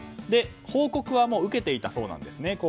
報告は受けていたそうなんですね。